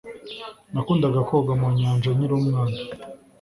nakundaga koga mu nyanja nkiri umwana